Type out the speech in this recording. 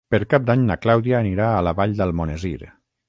Per Cap d'Any na Clàudia anirà a la Vall d'Almonesir.